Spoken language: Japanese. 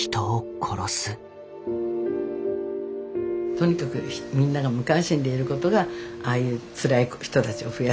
とにかくみんなが無関心でいることがああいうつらい人たちを増やすんだと。